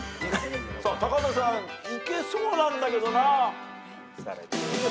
高畑さんいけそうなんだけどな。